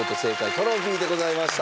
トロフィーでございました。